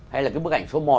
hay là cái bức ảnh số một